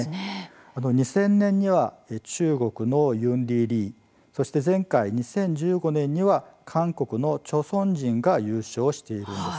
２０００年には中国のユンディ・リそして前回２０１５年には韓国のチョ・ソンジンが優勝しているんです。